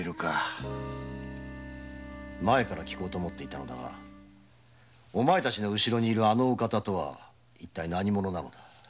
前から聞こうと思っていたのだがお前たちの後ろにいるあのお方とは何者なのだ？